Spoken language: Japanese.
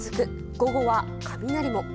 午後は雷も。